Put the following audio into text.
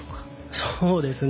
そうですね。